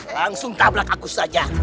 langsung tabrak aku saja